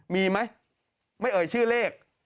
มีไหมไม่เอ่ยชื่อเลข